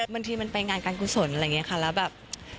บางทีมันไปงานการกุศลอะไรอย่างนี้ค่ะแล้วแบบ